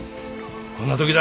こんな時だ。